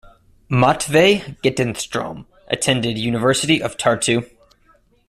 Matvei Gedenschtrom attended University of Tartu.